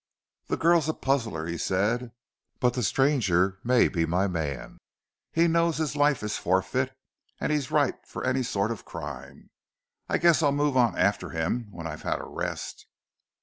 "The girl's a puzzler," he said, "but the stranger may be my man. He knows his life is forfeit, and he's ripe for any sort of crime. I guess I'll move on after him when I've had a rest."